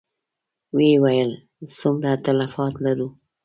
ويې ويل: څومره تلفات لرو؟